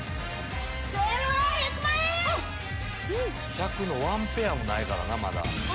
１００のワンペアもないからなまだ。